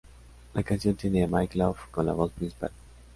La canción tiene a Mike Love con la voz principal.